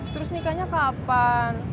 terus nikahnya kapan